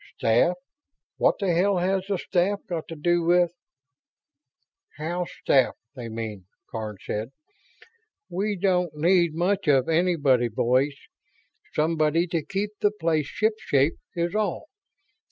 "Staff? What the hell has the staff got to do with ..." "House staff, they mean," Karns said. "We don't need much of anybody, boys. Somebody to keep the place shipshape, is all.